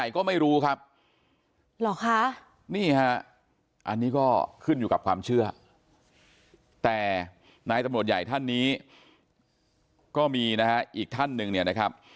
นายจำรวจใหญ่ท่านนี้ก็มีนะฮะอีกท่านนึงเนี่ยนะครับ